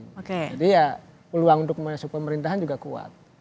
jadi ya peluang untuk masuk pemerintahan juga kuat